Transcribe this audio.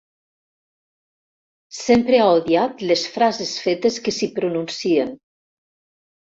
Sempre ha odiat les frases fetes que s'hi pronuncien.